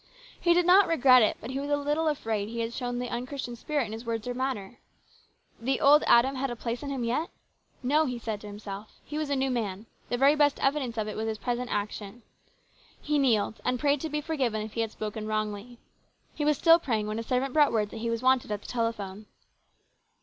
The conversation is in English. He did not regret it, but he was a little afraid he had shown the unchristian spirit in his words or manner. The old Adam had a place in him yet ? No, he said to himself, he was a new man ; the very best evidence of it was his present action. He kneeled and prayed to be forgiven if he had spoken wrongly. He was still praying when a servant brought word that he was wanted at the telephone.